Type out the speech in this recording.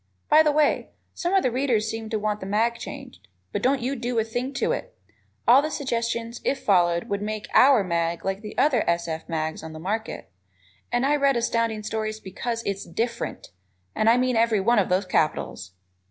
By the way, some of the readers seem to want the mag changed, but don't you do a thing to it. All the suggestions, if followed, would make "our" mag like the other S. F. mags on the market, and I read Astounding Stories because it is DIFFERENT, and I mean every one of those capitals!